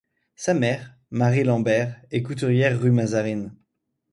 Sa mère, Marie Lambert, est couturière rue Mazarine.